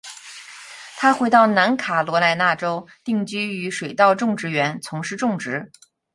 他回到南卡罗来纳州，定居于水稻种植园，从事种植。